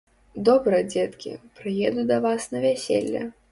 Добра, дзеткі, прыеду да вас на вяселле.